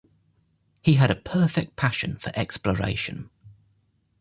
He had a perfect passion for exploration.